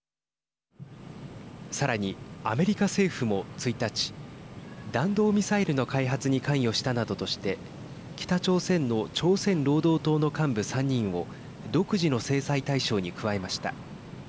さらに、アメリカ政府も１日弾道ミサイルの開発に関与したなどとして北朝鮮の朝鮮労働党の幹部３人を独自の制裁対象に加えました。